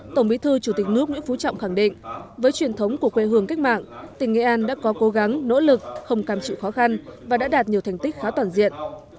tổng bí thư chủ tịch nước nguyễn phú trọng khẳng định với truyền thống của quê hương cách mạng tỉnh nghệ an đã có cố gắng nỗ lực không cam chịu khó khăn và đã đạt nhiều thành tích khá toàn diện